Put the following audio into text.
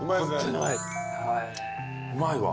・うまいわ。